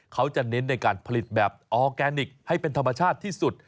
เขาจะเน้นในการผลิตแบบออร์แกนิคให้เป็นธรรมชาติที่สุด